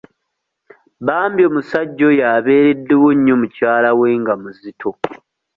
Bambi omusajja oyo abeereddewo nnyo mukyala we nga muzito.